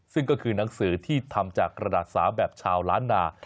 ซึ่งก็คือหนังสือที่ทำจากกระดาษสาวแบบชาวล้านนา